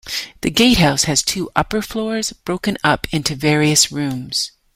The gatehouse has two upper floors, broken up into various rooms.